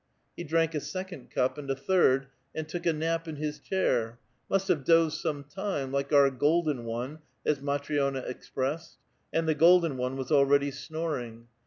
Ke drank a second cup and a third, and took a nap in his chair ; must have dozed some time, ""like our golden one [_zoloto']" as Matn6na expressed ; and the golden one was already snoring.